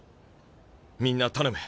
みんな頼む。